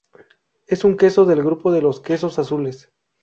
Es un queso del grupo de los "quesos azules".